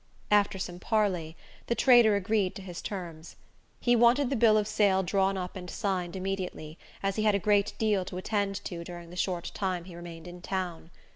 After some parley, the trader agreed to his terms. He wanted the bill of sale drawn up and signed immediately, as he had a great deal to attend to during the short time he remained in town.